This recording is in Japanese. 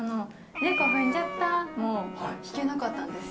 ねこふんじゃったも弾けなかったんですよ。